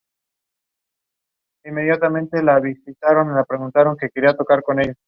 Más tarde se supo que ella y Richie Sambora habían iniciado un romance.